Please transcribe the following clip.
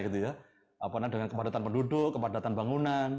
dengan kepadatan penduduk kepadatan bangunan